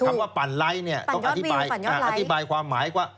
คำว่าปั่นไลค์เนี่ยต้องอธิบายอธิบายความหมายว่า